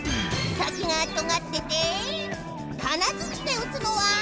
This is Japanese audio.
さきがとがっててかなづちでうつのは？